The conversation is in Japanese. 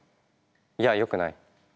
いやよくない。